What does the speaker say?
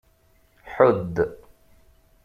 Ḥudd.